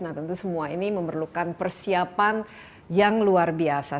nah tentu semua ini memerlukan persiapan yang luar biasa